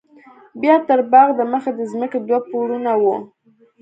بيا تر باغ د مخه د ځمکې دوه پوړونه وو.